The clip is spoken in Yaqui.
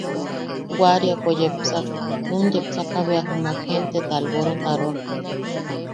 Waariapo yepsak, num yepsaka bea jumak jenteta alborotaroak.